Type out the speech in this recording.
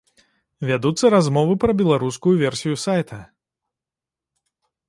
Вядуцца размовы пра беларускую версію сайта.